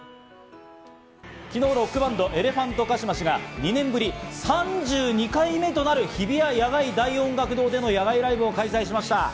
昨日、ロックバンド・エレファントカシマシが２年ぶり３２回目となる日比谷野外大音楽堂での野外ライブを開催しました。